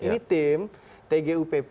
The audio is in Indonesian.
ini tim tgupp